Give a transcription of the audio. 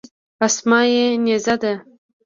امسا یې نیزه ده.